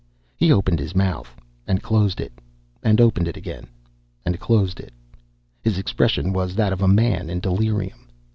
He opened his mouth, and closed it, and opened it again and closed it. His expression was that of a man in delirium.